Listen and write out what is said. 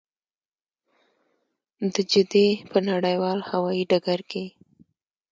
د جدې په نړیوال هوايي ډګر کې.